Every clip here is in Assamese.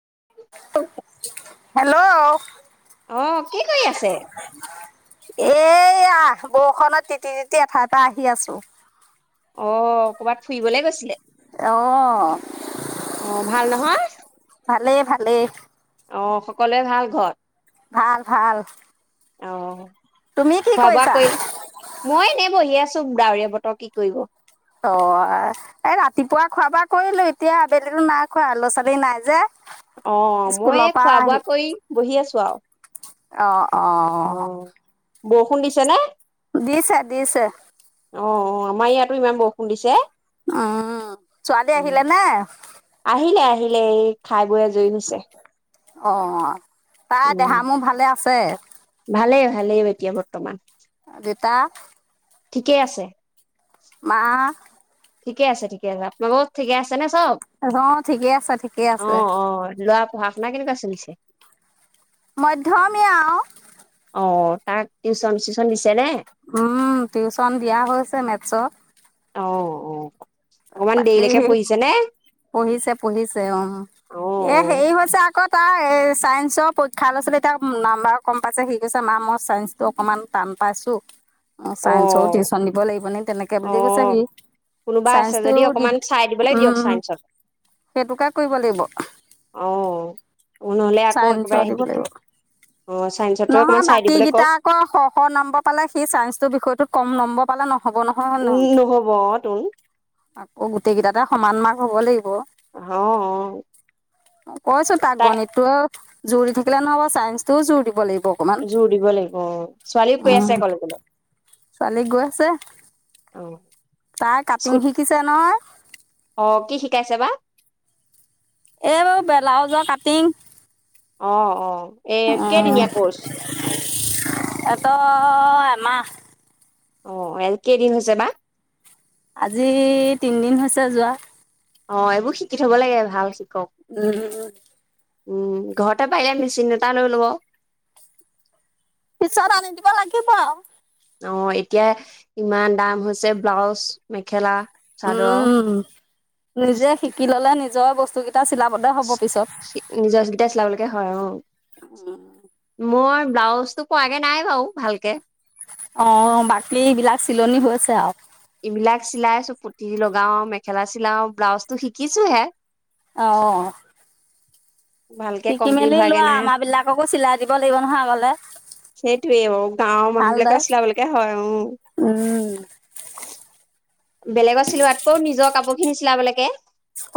হেল্ল' আহ কি কৰি আছে এই আহ বৰষুণত তিতি তিতি এঠাই পৰা আহি আছো অ ক'বাত ফুৰিবলে গৈছিলে অ' অ ভাল নহয় ভালেই ভালেই অ সকলোৱে ভাল ঘৰ ভাল ভাল অ তুমি কি খোৱা বোৱা কৰিছা কৰিলে মই এনে বহি আছো চু ডাৱৰীয়া বতৰ কি কৰিব অ এই ৰাতিপুৱা খোৱা বোৱা কৰিলো এতিয়া আবেলিতো নাই খোৱা ল'ৰা ছোৱালী নাই যে অ মই স্কুলৰ পৰা খোৱা বোৱা কৰি বহি আছো আৰু অ অঁ অ বৰষুণ দিছে নে দিছে দিছে অ অ আমাৰ ইয়াতো ইমান বৰষুণ দিছে উম ছোৱালী উম আহিলে নে আহিলে আহিলে এই খাই বৈ আজৰি হৈছে। অ তাই উম দেহা মোৰ ভালে আছে ভালেই ভালেই এতিয়া বৰ্তমান দেটা ঠিকেই আছে মাআ ঠিকে আছে ঠিক আছে আপোনালোক ঠিকে আছে। নে চব ৰ ঠিকে আছে ঠিকে অ আছে। অ ল'ৰা পঢ়া শুনা কেনেকুৱা চলিছে। মধ্যমীয়া অ অ তাক টিউশন উম টিউচন দিয়া হৈছে মেথছত অ অঔ বাকী পঢ়িছে পঢ়িছে অ অ এ হেৰি হৈছে আকত তাৰ এ চাইন্সৰ পৰীক্ষা লৰা ছালে এতিয়া নাম্বাৰ কম পাইছে সিক কৈছে মা মই চাইন্সতটো অকমান টান পাইছো। অ চাইন্সৰ টিউচন দিব লাগিব নে? তেনেকে অ বুলি কৈছ সি? কোনোবা আছে যদি আস্তেউ দিম অকমান চাই দিবলৈ উ উ দিয়ক চাইন্সত সেইটো কে কৰিব লাগিব। অ নহলে আকৌ চাইন্স একেবাৰে দিব দিগদাৰ। লাগিব অ চাইন্সতো অকমান নহয় চাই বাকী দিবলৈ কেইট কওক আকৌ শ শ নম্বৰ পালে সেই চাইন্সটোৰ বিষয়টোত। কম নম্বব পালে নহ। হ'ব নহয় উম নহয় নহব অ তোন আকৌ গোটেইকেইটাতে সমান মাক হ'ব লাগিব আহ অ তাই ত জুৰি থাকিলে নহ'ব চাইন্স টোও জোৰ দিব লাগিব। অকমান জোৰ দিব লাগিব অ ছোৱালীও কৈ উম আছে কলে বোলে। ছোৱালী গৈ আছে। তাই কাটিং স্কুট শিকিছে নহয়। অ কি শিকাইছে বা। এইবাৰ ব্লাউজৰ কাটিং। অ অ এ উ কেইদিনীয়া কৰ্চ এটা। বা এমাহ। অ এল কেইদিন হৈছে বা আজি তিনদিন হৈছে যোৱা। অ এইবোৰ শিকি থব লাগে ভাল। উম উ উম ঘৰতে পাৰিলে মেচিন এটা লৈ লব। পিছত আনি দিব লাগিব। অ এতিয়া ইমান দাম হৈছে ব্লাউজ মেখেলা চাদৰ উম নিজে শিকি ললে নিজে। তই বস্তু কেইটা চিলাবলে হ'ব পিছত নিজৰ কেইটা চিলাবলৈকে হয় অ মই ব্লাউজো পোৱাগে নাই বাৰু, ভালকে অ বাকী এই বিলাক চিলনি হৈ আছে আৰু। এইবিলাক চিলাইছো পুতি লগাও, মেখেলা চিলাও, ব্লাউজটো শিকিছো হে। অ ভালকে শিকি কমপ্লিট মেলি হোৱ গে লোৱা নাই, আমাৰ বিলাককো চিলাই দিব লাগিব নহয় আগলে সেইটোৱে ব গাঁৱৰ মানুহ বিলাকৰ ভালদৰে চিলাবলৈকে হয়, উ উম বেলেগত চিলোৱাতকৈ নিজৰ কাপোৰ খিনি লাগে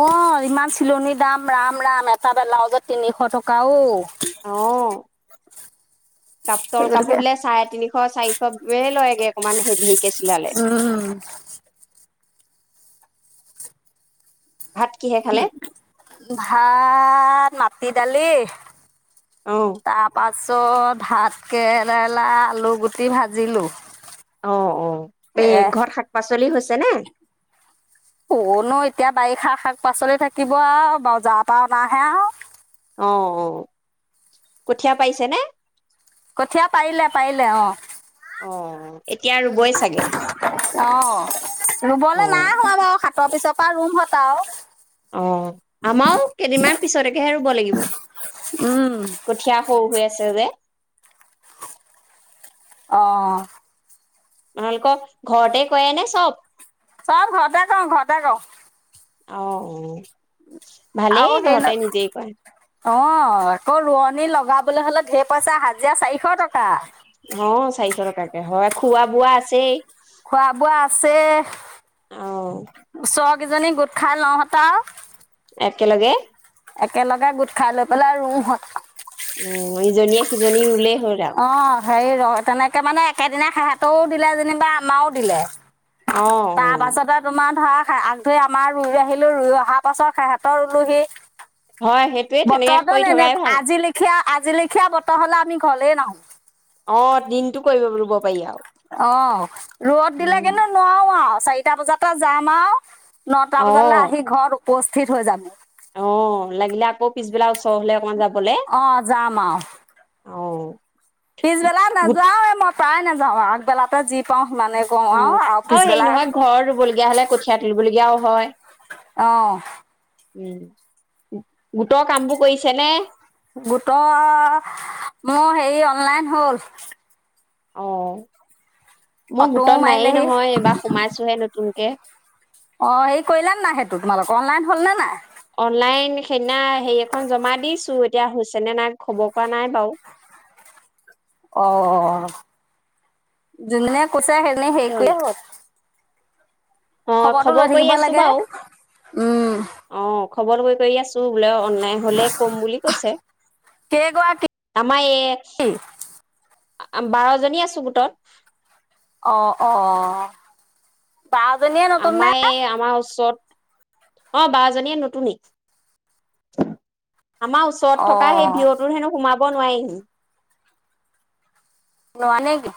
অ ইমান চিলনীৰ দাম ৰাম ৰাম এটা বেলাউজত তিনিশ টকা ও আহ সেই পাতল গতিকে কাপোৰ দিলে চাৰে তিনিশ চাৰিশ লয়গে অকমান হেভিকে চিলালে উম ভাত কিহে খালে ভাত মা মাটি দালি অ তাৰ পাচ পাছত ভাত কেৰেলা, আলু গুটি ভাজিলোঁ অ অ, এই ঘৰত শাক পাচলি হৈ ছেনে? কৰনো এতিয়া বাৰিষা শাক পাচলি থাকিব আৰু বজাৰ পৰা অনা হে আৰু। অ, কঠীয়া পাৰিছে নে? কঠীয়া পাৰিলে পাৰিলে অ। অ। এতিয়া ৰুবই চাগে অ, অ ৰুবলৈ নাই হোৱা বাৰু হাটৰ পিছৰপৰা ৰুম হ আৰু। অ, আমাৰো কেইদিনমান পিছতকেহে ৰুব লাগিব, উম কঠীয়া সৰু হৈ আছে যে। অ। তোমালোকক ঘৰতে কয় নে চব। ছব ঘৰতে কৰো ঘৰতে কৰোঁ। অ। আৰু ভালেই হেৰি ন ঘৰতে নিজেই কয়। অ, আকৌ ৰোৱনী লগাবলৈ হলে ধেৰ পইচা হাজিৰা চাৰিশ টকা। অ চাৰিশ টকাকে হয় খোৱা বোৱা আছেই। খোৱা বোৱা আছে। অ ওচৰত কেইজনী গোট খাই লও এটাও - একেলগে- একেলগে গোট খাই লৈ পেলাই ৰু হত উম, ইজনীয়ে সিজনী ৰুলে অ হেৰি ৰ, তেনেকে মানে সেইদিনা সেহেতেও দিলে যেনিবা আমাৰো দিলে। অ অ তাৰ পাছতে তোমাৰ ধৰা আগ ধৰি আমাৰ ৰুই আহিলো ৰুই অহা পাছত সেহতৰ ৰুলো সি হয় সেইটোৱে তেনেকে বতৰটো কৰি ননে থকাই ভাল আজি লেখীয়া আজি লেখীয়া বতৰ হলে আমি থলে নও অ দিনটো কৰিব ৰুব পাৰি আও। অ, ৰ'দ দিলে কিন্তু নোৱাৰো আও। চাৰিটা বজাতে যাম আও। নটা বজালৈ অ আহি ঘৰত উপস্থিত হৈ যাম। অ লাগিলে আকৌ পিছবেলা ওচৰ হলে অকমান যাব। অ যাম আও। অ' পিছবেলা গোট নাযাওঁ এ মই প্ৰাই নাযাওঁ আও আগবেলাতে যি পাও। অ আৰু হেৰি নহয় ঘৰ ৰুবলগীয়া হলে কঠিয়া তুলিবলগীয়া হয় অহ উম গোটৰ কাম বোৰ কৰিছে নে? গোটৰ মোৰ হেৰি অনলাইন হ'ল। অহ মই ফটোও গোটত নায়েই মাৰিলেহি নহয় এইবাৰ সোমাইছোহে নতুনকে। অ হে কৰিলা নে নাই সেইটো তোমালোক অনলাইন হল নে নাই। অনলাইন সেইদিনা হেৰি এখন জমা দিছো এতিয়া হৈছে নে নাই খবৰ পৰা নাই বাৰু। অ। জোনে [unintelligible] সেনে সেৰি কৰি হত অ খবৰ কৰি থাকিব আছো লাগে বাৰু উম অ। খবৰটো কৰি কৰি আছো। অনলাইন হলে কম বুলি কৈছে কেইগৰাকী আমাৰ ইয় বাৰজনী আছো গোটত। অ অ বাজনীয়ে নতুন নে? আমাৰ এ আমাৰ ওচৰত অ বাৰজনীয়ে নতুনী। আমাৰ ওচৰত থকা হেই অ', পীঅ তোত হেনো সোমাব। [unintelligible] নোৱাৰিম। নোৱানেকি।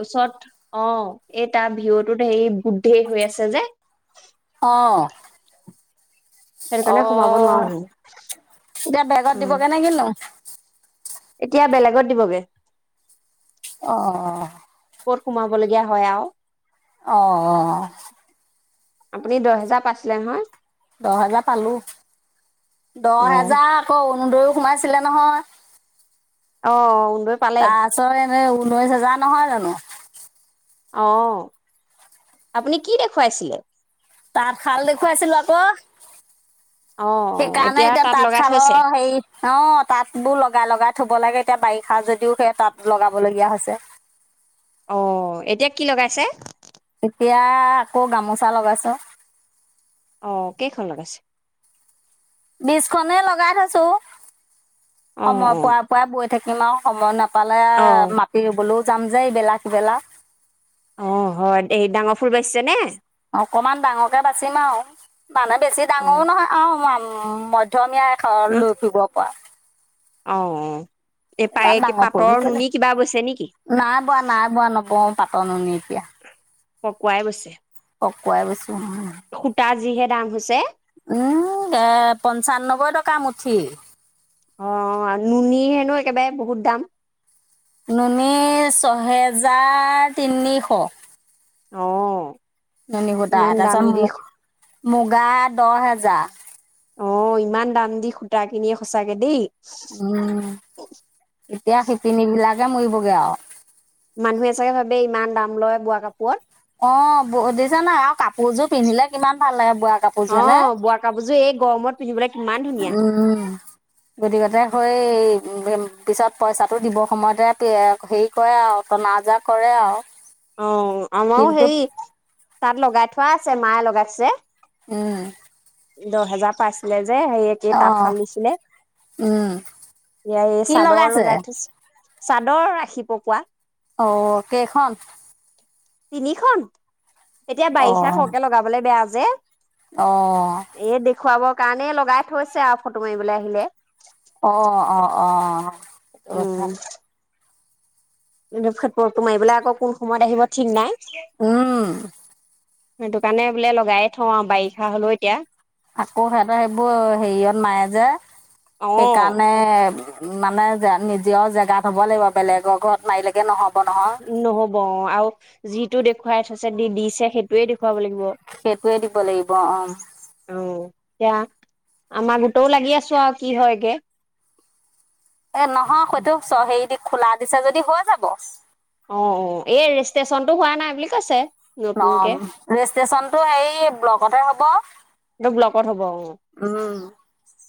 ওচৰত অঁ এই তাৰ ভিউটোত হেৰি [unintelligible] হৈ আছে যে। সেইটো কাৰণে সোমাব অঁ, নোৱাৰো হেনো। এতিয়া বেগত উম দিবগে নে কিনো। এতিয়া বেলেগত দিবগে। অঁ। ক'ত সোমাবলগীয়া হয় আৰু। অঁ অঁ। আপুনি দহ হেজাৰ পাইছিলে নহয়। দহ হেজাৰ পালো, দহ অ হেজাৰ আকৌ অৰুণুদয়ো সোমাইছিলে নহয়। অঁ অঁ। [unintelligible] দইছ হেজাৰ নহয় জানো। অঁ, আপুনি কি দেখুৱাইছিলে। তাত শাল দেখুৱাইছিলো আকৌ। অ সেইকাৰণে এতিয়া তাত লগাই থৈছে তাঁতশালৰ হেৰি অঁ তাঁত বোৰ লগাই লগাই থব লাগে এতিয়া বাৰিষা যদিও সেইয়া তাঁত লগাবলগীয়া হৈছে। অঁ, এতিয়া কি লগাইছে। এতিয়া আকৌ গামোচা লগাইচো। অঁ, কেইখন লগাইছে। বিছ খনে লগাই থৈছো। অ সময় অ [unintelligible] পৰা বৈ। থাকিম আৰু সময় নাপ পালে অ মাতি বোলো যাম যেই বেলাকবেলাক। অঁ হয় এই ডাঙৰ ফুল বাচিছে নে। অকমান ডাঙৰকে বাচিম আৰু মানে বেছি অ ডাঙৰো নহয় আৰু উম, মধ্যমীয়া [unintelligible] লৈ ফুৰিব পৰা। অঁ। ইমান ডাঙৰ ফুল নু কেলে, বৈছে নেকি নাই বোৱা নাই বোৱা নবও। পাতৰ নুনী এতিয়া। পকুৱাই বৈছে। পকুৱাই বৈছো। সূতা যিহে দাম হৈছে। উম এ পঞ্চাননব্বৈ টকা মুঠি। অ, নুনী হেনো একেবাৰে বহুত দাম। নুনী ছহেজাৰ তিনিশ। অঁ। ননী সুতা আটা চামু। [unintelligible] মুগা দহ হাজাৰ। অ, ইমান দাম দি সূতা কিনিয়ে সঁচাকে দেই। উম এতিয়া শিপিনী বিলাক। মৰিব গে আও। মানুহে চাগে ভাবে ইমান দাম লয় বোৱা কাপোৰত। অ, দেখিছা নাই আৰু কাপোৰযোৰ পিন্ধিলে কিমান ভাল লাগে। বোৱা কাপোৰযোৰ অ, হয়নে? বোৱা কাপোৰযোৰ এই গৰমত পিন্ধিবলে। উম! [unintelligible] হৈয়ে। পিছত পইচাটো দিবৰ সময়তে, হেৰি কৰে আৰু টনা আজোৰ কৰে আৰু। অ'! আমাৰো কিন্তু সেই তাঁত লগাই থোৱা আছে, মায়ে লগাইছে। উম! দহ হাজাৰ পাইছিলে যে, সেই অ তাঁত শাল নিছিলে। উম এতিয়া এই কি চাদৰ লগাইছে? লগাই থৈছোঁ। চাদৰ ৰাখিব কোৱা? অ'! কেইখন? তিনিখন। এতিয়া অ বাৰিষা সৰহকে লগাবলৈ বেয়া যে, অ'! এই দেখুৱাবৰ কাৰণে লগাই থৈছে আৰু ফটো মাৰিবলৈ আহিলে। অ'! অ'! অ'! অ'! অ'! উম! খেপৰটো মাৰিবলৈ আকৌ কোন সময়ত আহিব ঠিক নাই। উম! সেইটো কাৰণে বোলে, লগাইয়ে থওঁ আৰু বাৰিষা হলও এতিয়া। আকৌ সিহঁতৰ, সেইবোৰ হেৰিয়ত নাই যে অ সেইকাৰণে। মানে যে, নিজেও জেগা থ'ব লাগিব, বেলেগৰ ঘৰত মাৰিলেগে নহ'ব। নহয় নহ'ব অ'! আৰু যিটো দেখুৱাই থৈছে। দি দিছে সেইটোৱে সেইটোৱে দিব লাগিব। অ'! এতিয়া আমাৰ গোটও লাগি আছোঁ আৰু কি হয়গে। এ, নহয় সইটো চ' হেৰি দি খোলা দিছা যদি হৈ যাব। অ'! অ'! এই ৰেজিষ্ট্ৰেচনটো হোৱা নাই বুলি কৈছে। নতুনকে অ'! ৰেজিষ্টেচনটো সেই ব্লকতে হ'ব। এইটো ব্লকত হ'ব অ উম!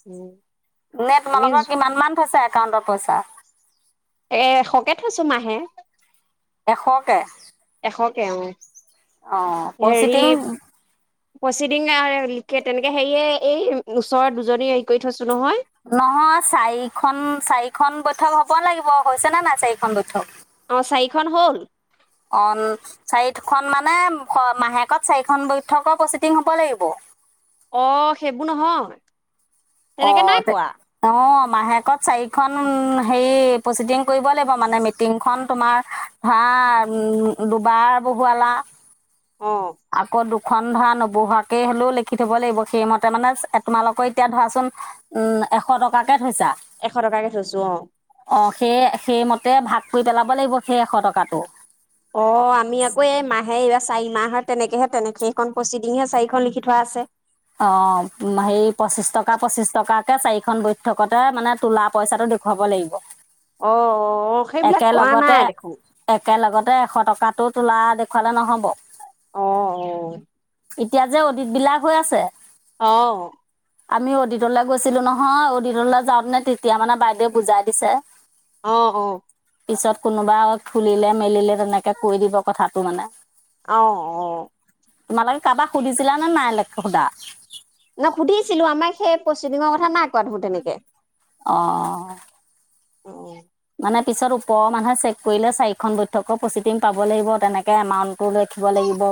উম! নেট আমি নলগোৱা কিমান মান থৈছে? একাউণ্টৰ পইচা এ, এশকে থৈছোঁ মাহে। এশকে? এশকে অ আহ পচিটং। হেৰি প্ৰচিডিং তেনেকে হেৰিয়ে এই ওচৰৰ দুজনী হেৰি কৰি থৈছো নহয়। নহয় চাৰিখন চাৰিখন বৈঠক হ'ব লাগিব হৈছে নে নাই চাৰিখন বৈঠক। অ চাৰিখন হ'ল। খ মানে মাহেকত চাৰিখন বৈঠকৰ প্ৰচিডিং হ'ব লাগিব। অ সেইবোৰ নহয়। অ তেনেকে নাই তে কোৱা অ। মাহেকত চাৰিখন হেৰি প্ৰচিডিং কৰিব লাগিব মানে মিটিংখন তোমাৰ ধৰা দুবাৰ বহুৱালা। অ আকৌ দু খন ধৰা নবহোৱাকে হ'লেও লিখি থব লাগিব সেইমতে মানে তোমালোকৰ এতিয়া ধৰাচোন উম এশ টকাকে। এশ টকাকে থৈছো অ অ সেই সেইমতে ততে ভাগ কৰি পেলাব লাগিব সেই এশ টকাটো। অ আমি আকৌ এই মাহে এইবাৰ চাৰি মাহৰ তেনেকেহে তেনেকেইখন প্ৰচিডিংহে চাৰিখন লিখি থোৱা আছে। অ হে পঁচিশ টকা পঁচিশ টকাকে চাৰিখন বৈঠকতে মানে তোলা পইচাটো দেখুৱাব লাগিব। অ অ সেইবিলাক কোৱা একেলগতে নাই দেখোন একেলগতে। ততে এশ টকাটো তোলা দেখুৱালে নহ'ব। অ অ এতিয়া যে অদিত বিলাক হৈ আছে। আহ আমি অদিতলা গৈছিলো নহয় অদিতললৈ যাওঁ ন এতিয়া মানে বাইদেউ বুজাই দিছে। অ অ পিছত কোনোবা খুলিলে মেলিলে তেনেকে কৈ দিব কথাটো মানে। আহ অ তোমালোকে কাৰোবাক সুধিছিলা নে নাই সোধা ন সুধিছিলো আমাক সেই পচিদিঙৰ কথা নাই কোৱা দেখোন তেনেকে অ অ অ। মানে পিছত ওপৰৰ মানুহে চেক কৰিলে চাৰিখন বৈঠকৰ প্ৰচিটিং পাব লাগিব তেনেকৈ এমাউণ্টটো লিখিব লাগিব।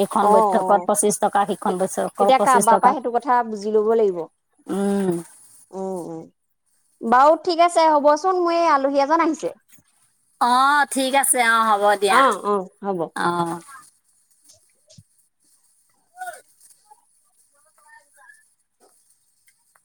এইখন অ অ বৈঠকত পঁচিছ টকা সিখন বৈঠকত তেতিয়া পঁচিছ কাৰোবাৰ টকা পৰা সেইটো কথা বুজি লব লাগিব উম উম। বাৰু ঠিক আছে হ'বচোন মোৰ এই আলহী এজন আহিছে। অ ঠিক আছে অ হ'ব দিয়া অ', অ', হ'ব। অ।